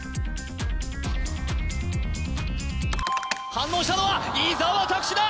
反応したのは伊沢拓司だ！